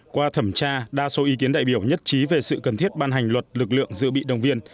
qua thẩm tra đa số ý kiến đại biểu nhất trí về sự cần thiết ban hành luật lực lượng dự bị đồng viên